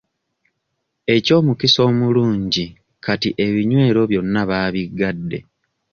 Eky'omukisa omulungi kati ebinywero byonna baabigadde.